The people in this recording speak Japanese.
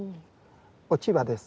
落ち葉です。